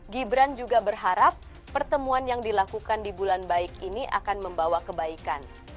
gibran juga berharap pertemuan yang dilakukan di bulan baik ini akan membawa kebaikan